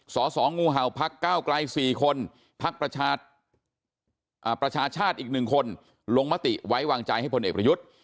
สองงูเห่าพักก้าวไกล๔คนพักประชาชาติอีก๑คนลงมติไว้วางใจให้พลเอกประยุทธ์